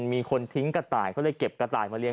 มีคนทิ้งกระต่ายก็เลยเก็บกระต่ายมาเลี